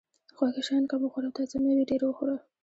خواږه شیان کم وخوره او تازه مېوې ډېرې وخوره.